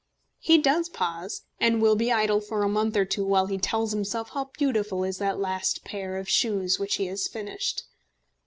He does pause, and will be idle for a month or two while he tells himself how beautiful is that last pair of shoes which he has finished!